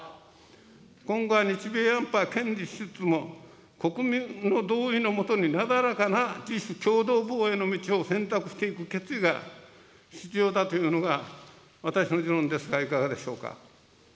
今後は日米安保は堅持しつつも、国民の同意のもとになだらかな自主・共同防衛の道を選択していく決意が必要だというのが、私の持論ですが、いかがでしょうか。